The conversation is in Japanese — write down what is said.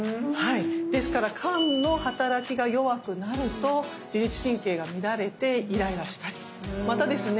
ですから肝のはたらきが弱くなると自律神経が乱れてイライラしたりまたですね